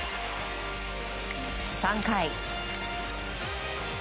３回。